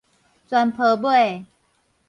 泉坡尾